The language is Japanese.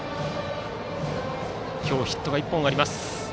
今日、ヒットが１本あります。